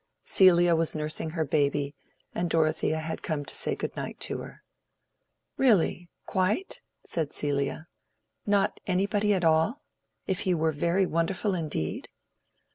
Celia was nursing her baby, and Dorothea had come to say good night to her. "Really—quite?" said Celia. "Not anybody at all—if he were very wonderful indeed?"